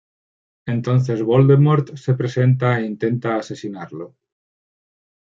Entonces Voldemort se presenta e intenta asesinarlo.